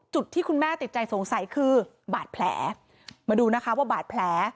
ที่คุณแม่ติดใจสงสัยคือบาดแผลมาดูนะคะว่าบาดแผล